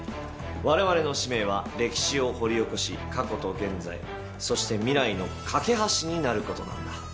我々の使命は歴史を掘り起こし過去と現在そして未来のかけ橋になることなんだ。